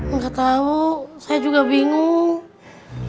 nggak tahu saya juga bingung